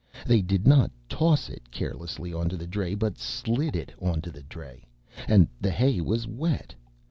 They did not toss it carelessly onto the dray but slid it onto the dray. And the hay was wet.